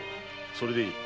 それでいい。